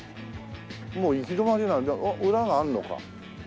もう行き止まり裏があるのか。